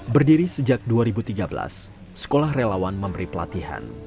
berdiri sejak dua ribu tiga belas sekolah relawan memberi pelatihan